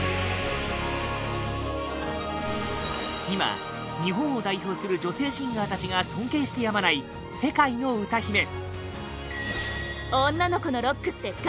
今、日本を代表する女性シンガーたちが尊敬してやまない、世界の歌姫